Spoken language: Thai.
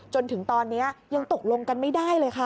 จนถึงตอนนี้ยังตกลงกันไม่ได้เลยค่ะ